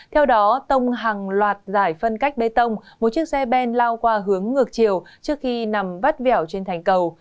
theo đó tông hàng loạt giải phân cách bê tông một chiếc xe ben lao qua hướng ngược chiều trước khi nằm vắt vẻo trên thành cầu